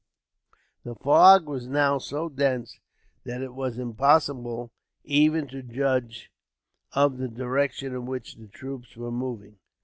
The fog was now so dense that it was impossible even to judge of the directions in which the troops were moving.